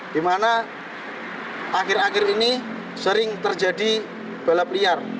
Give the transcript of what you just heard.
di mana akhir akhir ini sering terjadi balap liar